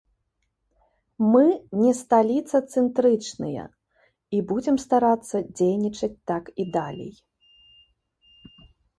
Мы не сталіцацэнтрычныя і будзем старацца дзейнічаць так і далей.